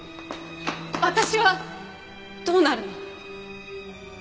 私はどうなるの？